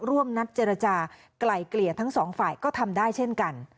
ร่วมนัดเจรจากลายเกลี่ยทั้งสองฝ่ายก็ทำได้เช่นกัน